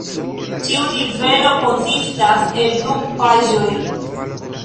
Ĉiu nivelo konsistas el du paĝoj.